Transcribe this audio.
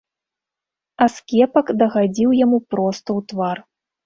Аскепак дагадзіў яму проста ў твар.